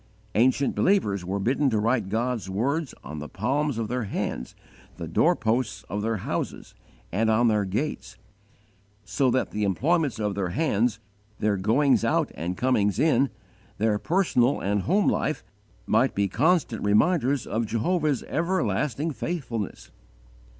Ancient believers were bidden to write God's words on the palms of their hands, the doorposts of their houses, and on their gates, so that the employments of their hands, their goings out and comings in, their personal and home life, might be constant reminders of Jehovah's everlasting faithfulness.